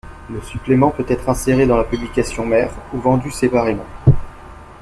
Le supplément peut être inséré dans la publication mère, ou vendu séparément.